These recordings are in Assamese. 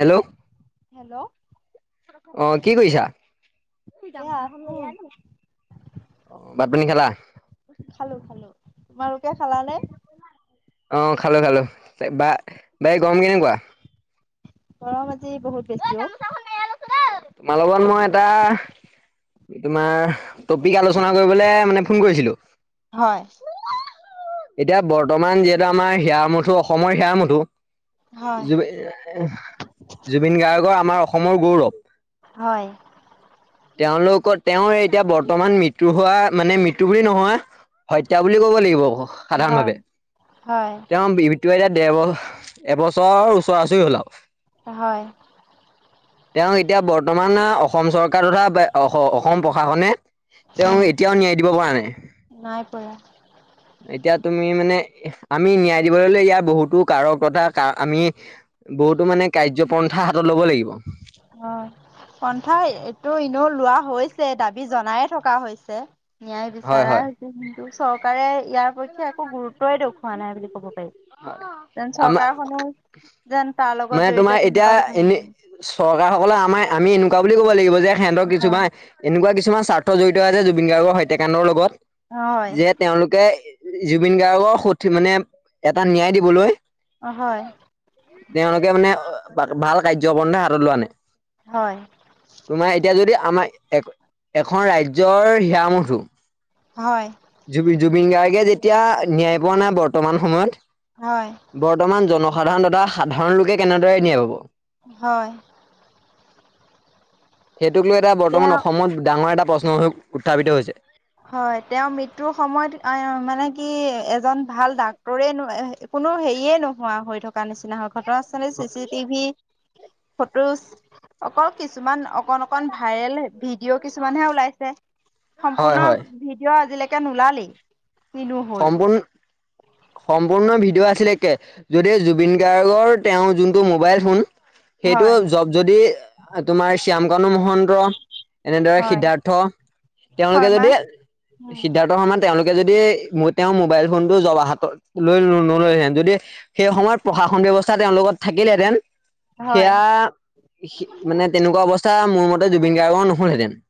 Hello hello? অ', কি কৰিছা? এয়া আছো ভাত পানী খালা? খালো খালো, তোমালোকে খালানে? অ', খালো খালো, বা বাকী গৰম কেনেকুৱা। গৰম আজি বহুত বেছি অ'। তোমাৰ লগত মই এটা তোমাৰ টপিক আলোচনা কৰিবলে মানে ফোন কৰিছিলো। হয়। এতিয়া বৰ্তমান যিহেতু আমাৰ হিয়া আমুঠু, অসমৰ হিয়া আমুঠু। হয় জুবিন জুবিন গাৰ্গৰ আমাৰ অসমৰ গৌৰৱ। হয়। তেওঁলোকৰ তেওঁৰ এতিয়া বৰ্তমান মৃত্যু হোৱা মানে মৃত্যু বুলি নহয় হত্যা বুলি কব লাগিব সাধাৰণ হয় হয় ভাৱে দুহেজাৰ তে, এবছৰৰ ওচৰা উচৰি হয়। তেওঁ এতিয়া বৰ্তমান অসম চৰকাৰ তথা অসম প্ৰশাসনে তেওঁ উম এতিয়াও ন্যায় দিব পৰা নাই। নাই পৰা। এতিয়া তুমি মানে আমি ন্যায় দিবলে হলে, ইয়াৰ বহুতো কাৰক তথা আমি বহুতো মানে কাৰ্যপন্থা হাতত ল'ব লাগিব। অ'। পন্থা এইটো এনেও লোৱা হৈছে, দাবী জনাই থকা হৈছে। ন্যায় হয় বিচাৰাৰ হয় চৰকাৰে ইয়াৰ পক্ষে একো গুৰুত্বই দেখুওৱা নাই বুলি ক'ব পাৰি, যেন আমাৰ চৰকাৰ খনৰ যেন তাৰ লগত মানে তোমাৰ জড়িত এতিয়া তেনেকুৱা কথা এনে চৰকাৰ সকলে আমাৰ আমি এনেকুৱা বুলি ক'ব লাগিব যে সিহঁতক হয় কিছুমান এনেকুৱা কিছুমান স্বাৰ্থ জড়িত আছে জুবিন গাৰ্গৰ হত্যাকাণ্ডৰ লগত হয়। যে তেওঁলোকে জুবিন গাৰ্গৰ সঠ মানে এটা ন্যায় দিবলৈ অ' হয়। তেওঁলোকে মানে ভাল কাৰ্যপন্থা হাতত লোৱা নাই। হয়। তোমাৰ এতিয়া যদি আমাৰ এখন ৰাজ্যৰ হিয়াৰ আমঠো। হয়। জুব জুবিন গাৰ্গে যেতিয়া ন্যায় পোৱা নাই বৰ্তমান সময়ত। হয়। বৰ্তমান জনসাধাৰণ তথা সাধাৰণ লোকে কেনেদৰে ন্যায় পাব? হয়। সেইটোক লৈ এটা বৰ্তমান তেওঁ অসমত ডাঙৰ এটা প্ৰশ্ন হৈ উত্থাপিত হৈছে। হয় তেওঁৰ মৃত্যুৰ সময়ত আ মানে কি এজন ভাল ডাক্তৰে নো কোনো হেৰিয়ে নোহোৱা হৈ থকা নিচিনা হয় ঘটনাস্থলী চি চি টিভি ফটোজ অকল কিছুমান অকন অকন কন ভাইৰেল ভিডিঅ' কিছুমানহে ওলাইছে। হয় সম্পূৰ্ণ হয় ভিডিঅ' আজিলৈকে নোলালেই। কিনো হ'ল সম্পূৰ্ণ সম্পূৰ্ণ ভিডিঅ' আছিলে কে যদি জুবিন গাৰ্গৰ তেওঁৰ যোনটো মোবাইল ফোন সেইটো হয় জব যদি আ তোমাৰ শ্যামকানু মহন্ত এনেদৰে হয় সিদ্ধাৰ্থ তেওঁলোকে শৰ্মা যদি সিদ্ধাৰ্থ শৰ্মা তেওঁলোকে যদি তেওঁৰ মোবাইল ফোনটো হাতত লৈ নল'লেহেঁতেন সেই সময়ত প্ৰশাসন ব্যৱস্থা তেওঁৰ লগত থাকিলেহেঁতেন হয় সেয়া মানে তেনেকুৱা অৱস্থা মোৰ মতে জুবিন গাৰ্গৰ নহ'লহেঁতেন।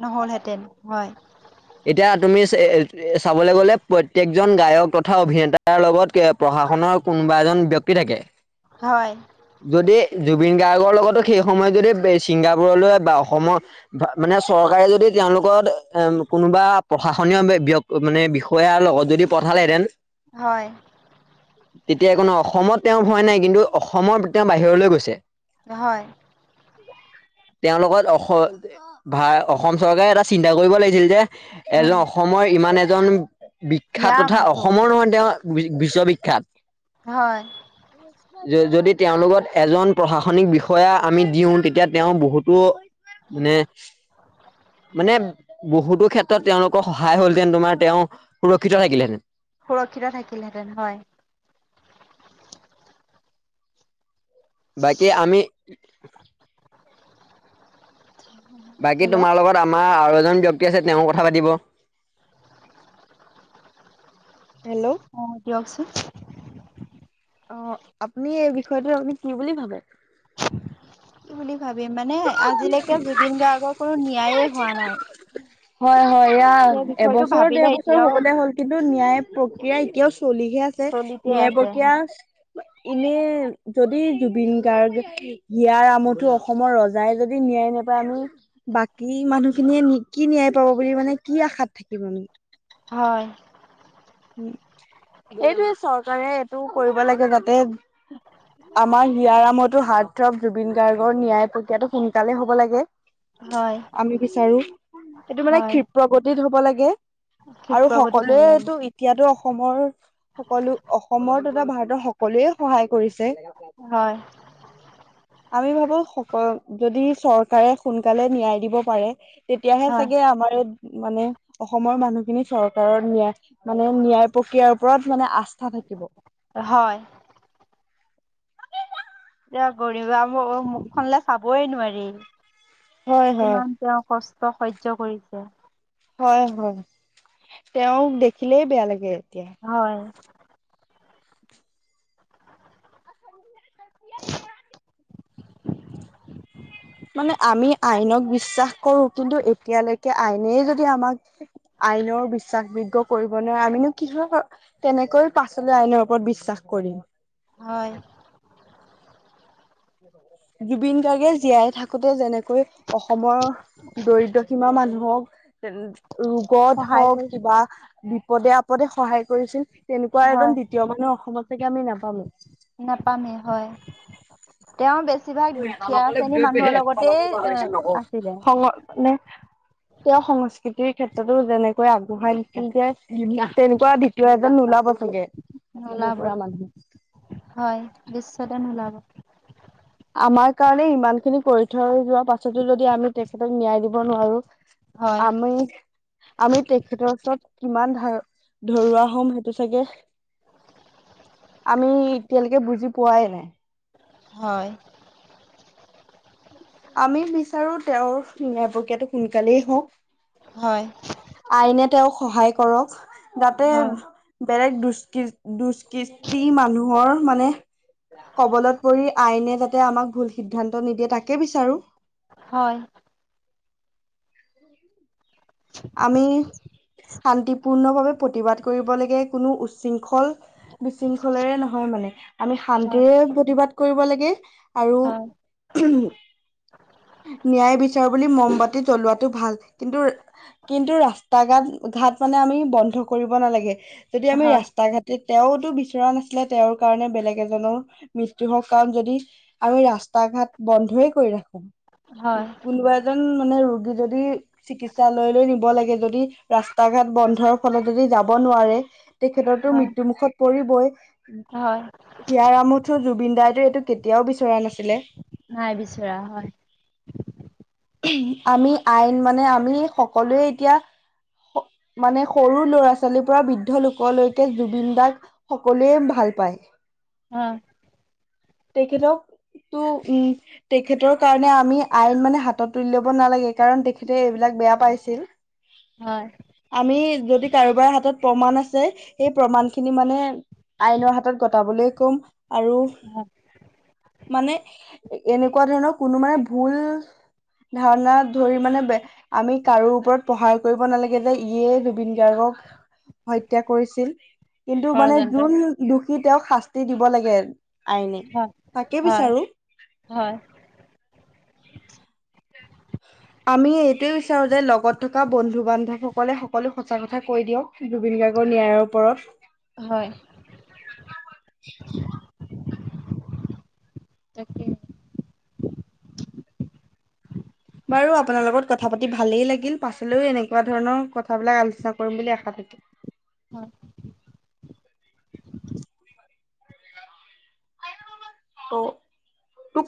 নহ'লহেঁতেন হয়। এতিয়া তুমি চে চাবলে গ'লে প্ৰত্যেকজন গায়ক তথা অভিনেতাৰ লগত কে প্ৰশাসনৰ কোনোবা এজন ব্যক্তি থাকে। হয়। যদি জুবিন গাৰ্গৰ লগতো সেই সময়ত যদি বে ছিংগাপুৰলৈ বা অসমৰ মানে চৰকাৰে যদি তেওঁৰ লগত এ কোনোবা প্ৰশাসনীয় বে ব্য মানে বিষয়া লগত যদি পঠালেহেঁতেন হয়। তেতিয়া একো নহ অসমত তেওঁ ভয় নাই কিন্তু অসমৰ তেওঁ বাহিৰলৈ গৈছে। হয়। [inaudible] তেওঁ লগত অস ভা অসম চৰকাৰে এটা চিন্তা কৰিব লাগিছিল যে এজন উম অসমৰ ইমান এজন হিয়া বিখ্যাত তথা মুথু অসমৰ নহয় তেওঁ বি বিশ্ববিখ্যাত। হয়। য যদি তেওঁৰ লগত এজন প্ৰশাসনিক বিষয়া আমি দিওঁ তেতিয়া তেওঁ বহুটো মানে, মানে বহুতো ক্ষেত্ৰত তেওঁলোকৰ সহায় হ'লহেঁতেন তোমাৰ তেওঁ সুৰক্ষিত থাকিলেহেঁতেন। সুৰক্ষিত থাকিলহেঁতেন হয়। বাকী আমি [unintelligible] বাকী তোমাৰ লগত আমাৰ আৰু এজন ব্যক্তি আছে তেওঁ কথা পাতিব। হেল্ল। অ দিয়কচোন। অ, আপুনি এই বিষয়টো আপুনি কি বুলি ভাবে? [unintelligible] কি বুলি ভাবিম মানে আজিলৈকে জুবিন গাৰ্গৰ কোনো ন্যায়েই হোৱা নাই। হয় হয় এইয়া সেই বিষয়টো এবছৰ, দেৰ ভাবিলে এতিয়াও হ'বলে হ'ল কিন্তু ন্যায় প্ৰক্ৰিয়া এতিয়াও চলিহে আছ ছে চলিতে ন্যায় আছে। প্ৰক্ৰিয়া ইনেই যদি জুবিন গাৰ্গ হিয়াৰ আমঠু অসমৰ অসমৰ ৰজাই যদি ন্যায় নাপায় আমি বাকী মানুহ খিনিয়ে নি কি ন্যায় পাব বুলি মানে কি আশাত থাকিম আমি। হয়। উ, এইটোয়ে চৰকাৰে এইটো কৰিব লাগে যাতে আমাৰ হিয়াৰ আমঠু হাৰ্থ জুবিন গাৰ্গৰ ন্যায় প্ৰক্ৰিয়াটো সোনকালে হ'ব লাগে। হয়, আমি বিচাৰোঁ। এইটো মানে হয় ক্ষীপ্ৰ গতিত হ'ব লাগে। আৰু ক্ষিপ্ৰ গতিত হ'ব লাগে। সকলোৱেটো এতিয়াতো অসমৰ সকলো অসমৰ তথা ভাৰতৰ সকলোৱে সহায় কৰিছে। হয়, আমি ভাবোঁ সকল যদি চৰকাৰে সোনকালে ন্যায় দিব পাৰে। তেতিয়াহে হয়, চাগে আমাৰ এই মানে অসমৰ মানুহখিনি চৰকাৰৰ ন্যায় মানে ন্যায় প্ৰক্ৰিয়াৰ ওপৰত মানে আস্থা থাকিব। হয়। এতিয়া গৰিমা বৌ মুখখনলে চাবই নোৱাৰি, হয় হয় কিমান তেওঁ কষ্ট সহ্য কৰিছে। হয়, হয়, তেওঁক দেখিলেই বেয়া লাগে এতিয়া। হয়। মানে আমি আইনক বিশ্বাস কৰোঁ। কিন্তু এতিয়ালৈকে আইনেই যদি আমাক আইনৰ বিশ্বাস যোগ্যক কৰিব নোৱাৰে। আমিনো কিহৰ তেনেকৈ পাছলৈ আইনৰ ওপৰত বিশ্বাস কৰিম। হয়। জুবিন গাৰ্গে জীয়াই থাকোটে যেনেকে কৈ অসমৰ দৰিদ্ৰ সীমা মানুহক ৰোগত সহায় হওঁক, কৰি কিবা বিপদে-আপদে সহায় কৰিছিল। তেনেকুৱা হয় এজন দ্বিতীয় মানুহ অসমত চাগে আমি নাপামেই। নাপামেই হয়। তেওঁ বেছি বেছিভাগ দুখীয়া শ্ৰেণীৰ মানুহৰ লগতে আছিলে। সং মানে তেওঁ সংস্কৃতিৰ ক্ষেত্ৰতো যেনেকৈ আগবঢ়াই নিছিল যে তেনেকুৱা দ্বিতীয় এজন নোলাব চাগে! নোলাব হয়, বিশ্বতে নোলাব। আমাৰ কাৰণে ইমান খিনি কৰি থৈ যোৱা পাছতোঁ যদি আমি তেখেতক ন্যায় দিব নোৱাৰোঁ। হয়। আমি আমি তেখেতৰ ওচৰত কিমান ধা ধৰুৱা হ'ম সেইটো চাগে আমি এতিয়ালৈকে বুজি পোৱাই নাই। হয়। আমি বিচাৰোঁ তেওঁৰ ন্যায় প্ৰক্ৰিয়াটো সোনকালেই হওঁক। হয়। আইনে তেওঁক সহায় কৰক যাতে হয়, বেলেগ দুষ্কৃ-দুষ্কৃষ্টি মানুহৰ মানে কবলত পৰি আইনে যাতে আমাক ভুল সিদ্ধান্ত নিদিয়ে তাকে বিচাৰোঁ। হয়। [inaudible] আমি শান্তিপূৰ্ণভাৱে প্ৰতিবাদ কৰিব লাগে, কোনো উশৃংখল বিশৃংখলেৰে নহয় মানে আমি হয়, শান্তিৰে প্ৰতিবাদ কৰিব লাগে। আৰু হয়, ন্যায় বিচাৰ বুলি মমবাতি জ্বলোৱাটো ভাল। কিন্তু কিন্তু ৰাস্তা, ঘাট ঘাট মানে আমি বন্ধ কৰিব নালাগে, যদি আমি হয়, ৰাস্তা ঘাট তেওঁ টো বিচৰা নাছিলে, তেওঁৰ কাৰণে বেলেগ এজনৰ মৃত্যুৰ হওক, কাৰণ যদি আৰু এই ৰাস্তা, ঘাট বন্ধইে কৰি ৰাখে, হয়, কোনোবা এজন মানে ৰোগী যদি চিকিৎসালয়লৈ নিব লাগে, যদি ৰাস্তা ঘাট বন্ধৰ ফলত যদি যাব নোৱাৰে তেখেতৰতো হয়, মৃত্যুমুখত পৰিবই। হয়, হিয়াৰ আমঠু জুবিন দাই ত এইটো কেতিয়াও বিচৰা নাছিলে। নাই বিচৰা হয়। আমি আইন মানে আমি সকলোৱে এতিয়া মানে সৰু ল'ৰা ছোৱালীৰ পৰা বৃদ্ধ লোকলৈকে জুবিন দাক সকলোৱে ভাল পায়। অঁ। তেখেতক তো উম তেখেতৰ কাৰণে আমি আইন মানে হাতত তুলি ল'ব নালাগে কাৰণ তেখেতে এইবিলাক বেয়া পাইছিল। হয়। আমি যদি কাৰোবাৰ হাতত প্ৰমাণ আছে, সেই প্ৰমাণ খিনি মানে আইনৰ হাতত গটাবলৈ কম আৰু হয়, মানে এনেকুৱা ধৰণৰ কোনো মানে ভুল ধাৰণাত ধৰি মানে বে আমি কাৰো ওপৰত প্ৰহাৰ কৰিব নালাগে যে ইয়ে জুবিন গাৰ্গক হত্যা কৰিছিল, কিন্তু মানে ষড়যন্ত্ৰ যোন দোষী তেওঁক শাস্তি দিব লাগে। আইনে। হয় তাকে হয় বিচাৰো হয়। আমি এইটোৱে বিচাৰো যে লগত থকা বন্ধু বান্ধৱ সক কলে সকলো সঁচা কথা কৈ দিয়ক জুবিন গাৰ্গৰ ন্যায়ৰ ওপৰত। হয়। তাকে। বাৰু আপোনাৰ লগত কথা পাতি ভালেই লাগিল, পাছলৈও এনেকুৱা ধৰণৰ কথাবিলাক আলোচনা কৰিম বুলি আশা থাকিল। হয়। ত তোক